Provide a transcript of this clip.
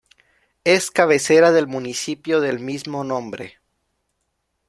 Es cabecera del municipio del mismo nombre.